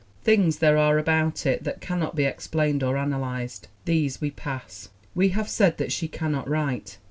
Things there are about it that cannot be explained or analyzed. These we pass. We have said that she cannot write.